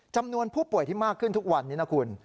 จำนวนผู้ป่วยที่มากขึ้นทุกวันนี้นะคุณ